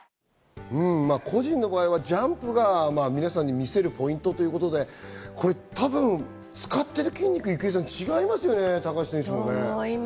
個人の場合はジャンプが皆さんに見せるポイントということで、多分使ってる筋肉が違いますよね、高橋選手も。